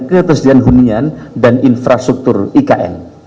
ketersediaan hunian dan infrastruktur ikn